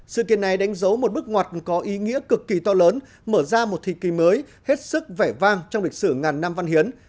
sự kiện này đánh dấu một bước ngoặt có ý nghĩa cực kỳ to lớn mở ra một thời kỳ mới hết sức vẻ vang trong lịch sử ngàn năm văn hiến